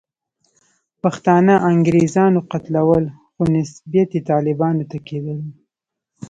پښتانه انګریزانو قتلول، خو نسبیت یې طالبانو ته کېدلو.